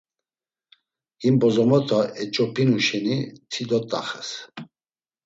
Him bozomota eç̌opinu şeni ti dot̆axes.